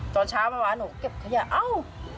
ตอนเช้าเมื่อวานหนูเก็บขยะเอ้า